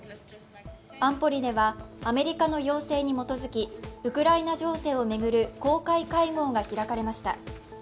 安保理ではアメリカの要請に基づき、ウクライナ情勢を巡る公開会合が開かれました。